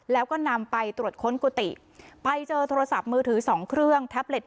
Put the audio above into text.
แล้วก็นำไปตรวจค้นกุฏิไปเจอโทรศัพท์มือถือสองเครื่องแท็บเลท๑เครื่องค่ะ